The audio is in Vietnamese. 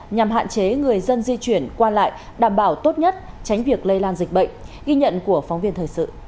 nhằm hạn chế người dân di chuyển qua lại đảm bảo tốt nhất tránh việc lây lan dịch bệnh